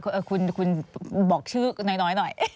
เดี๋ยวคุณบอกชื่อน้อยหน่อย